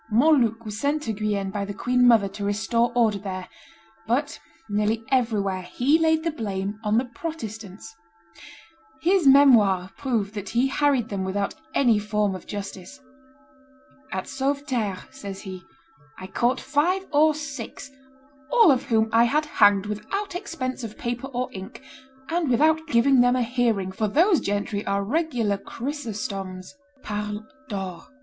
Montluc was sent to Guienne by the queen mother to restore order there; but nearly everywhere he laid the blame on the Protestants. His Memoires prove that he harried them without any form of justice. "At Sauveterre," says he, "I caught five or six, all of whom I had hanged without expense of paper or ink, and without giving them a hearing, for those gentry are regular Chrysostoms (parlent d'or)."